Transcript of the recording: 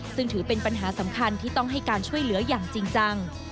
ซึ่งถือเป็นปัญหาสำคัญที่ต้องให้การช่วยเหลืออย่างจริงจัง